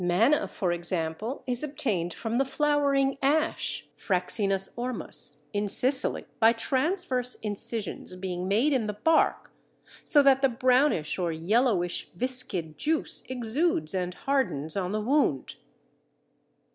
Manna, e.g., is obtained from the flowering Ash (Fraxinus ormus) in Sicily by transverse incisions being made in the bark, so that the brownish or yellowish viscid juice exudes and hardens on the wound.